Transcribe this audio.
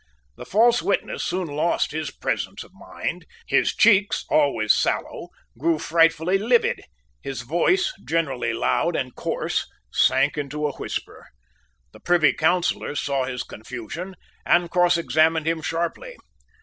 The false witness soon lost his presence of mind. His cheeks, always sallow, grew frightfully livid. His voice, generally loud and coarse, sank into a whisper. The Privy Councillors saw his confusion, and crossexamined him sharply.